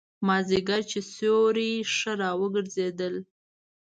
مازیګر چې سیوري ښه را وګرځېدل.